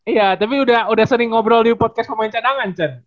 iya tapi udah sering ngobrol di podcast pemain cadangan